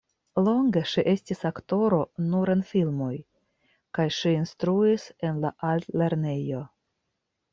Longe ŝi estis aktoro nur en filmoj kaj ŝi instruis en la altlernejo.